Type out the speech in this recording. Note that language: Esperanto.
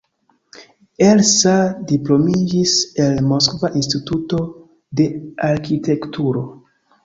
Elsa diplomiĝis el Moskva Instituto de Arkitekturo.